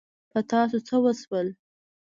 په تاسو څه وشول؟